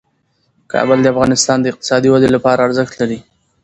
کابل د افغانستان د اقتصادي ودې لپاره ارزښت لري.